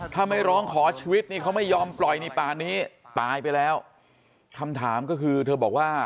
ถ้าไม่ร้องขอชีวิตนี่เขาไม่ยอมปล่อยในป่านี้ตายไปแล้วคำถามก็คือเธอบอกว่า